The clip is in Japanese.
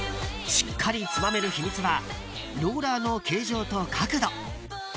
［しっかりつまめる秘密はローラーの形状と角度］